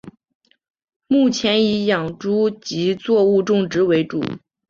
目前以养猪及作物种植为主。